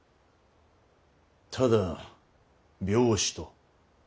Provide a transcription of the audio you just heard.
ただ病死と。